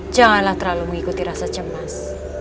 janganlah terlalu mengikuti rasa cemas